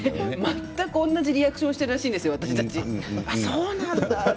全く同じリアクションをしているらしいんですよ。